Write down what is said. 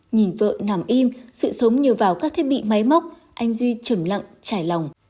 nhìn vợ nằm im sự sống nhờ vào các thiết bị máy móc anh duy trầm lặng trải lòng